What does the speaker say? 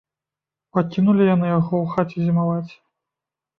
Пакінулі яны яго ў хаце зімаваць.